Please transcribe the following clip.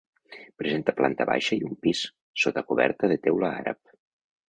Presenta planta baixa i un pis, sota coberta de teula àrab.